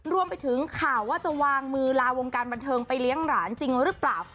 รวมไปถึงข่าวว่าจะวางมือลาวงการบันเทิงไปเลี้ยงหลานจริงหรือเปล่า